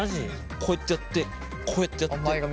こうやってやってこうやってやってこう。